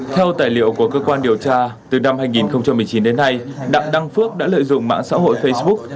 theo tài liệu của cơ quan điều tra từ năm hai nghìn một mươi chín đến nay đặng đăng phước đã lợi dụng mạng xã hội facebook